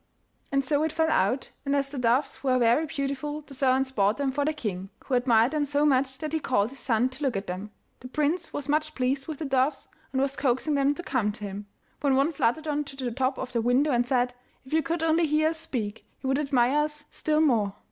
And so it fell out, and as the doves were very beautiful the servant bought them for the king, who admired them so much that he called his son to look at them. The prince was much pleased with the doves and was coaxing them to come to him, when one fluttered on to the top of the window and said, 'If you could only hear us speak, you would admire us still more.